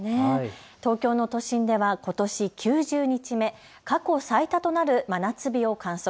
東京の都心ではことし９０日目、過去最多となる真夏日を観測。